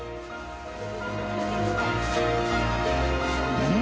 うん？